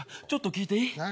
ちょっと聞いていい？